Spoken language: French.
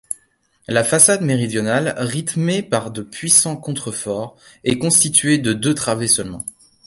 La façade méridionale, rythmée par de puissants contreforts, est constituée de deux travées seulement.